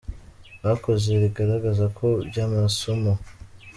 bakoze rigaragaza ko by’amasomo.